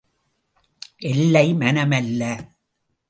எல்லை, மனம் அல்ல!